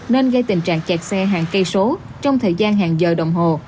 nên gây tình trạng kẹt xe hàng cây số trong thời gian hàng giờ đồng hồ